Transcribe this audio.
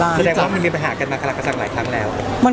สาเหตุหลักคืออะไรหรอครับผมว่าเราก็ไม่คอมิวนิเคทกัน